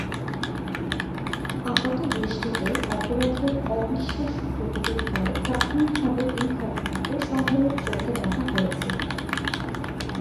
আপাতদৃষ্টিতে অপরাধের অবিশ্বাস্য প্রকৃতির ফলে প্রাথমিকভাবে এই ঘটনাকে সন্দেহের চোখে দেখা হয়েছিল।